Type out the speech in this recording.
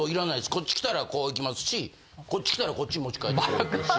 こっち来たらこういきますしこっち来たらこっち持ち替えてこういくし。